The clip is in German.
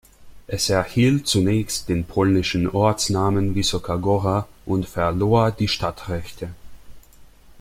Es erhielt zunächst den polnischen Ortsnamen "Wysoka Góra" und verlor die Stadtrechte.